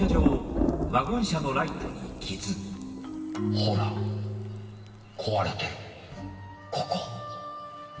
ほら壊れてるここ。